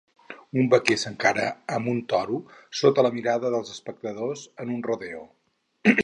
Un vaquer s'encara amb un toro sota la mirada dels espectadors en un "rodeo".